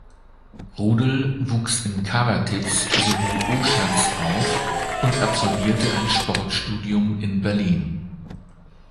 Rudel wuchs in Cavertitz sowie Oschatz auf und absolvierte ein Sportstudium in Berlin.